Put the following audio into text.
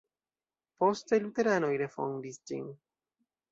Poste luteranoj refondis ĝin.